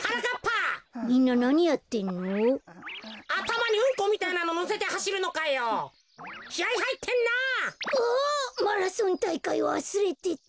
マラソンたいかいわすれてた。